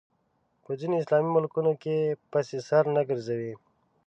په ځینو اسلامي ملکونو کې پسې سر نه ګرځوي